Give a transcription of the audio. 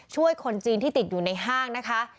ช่วยคนจีนที่ติดอยู่ในห้างนะคะ